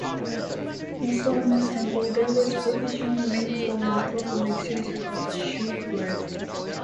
In Solomon's Temple, there was provision made for the proper exhibition of the shewbread.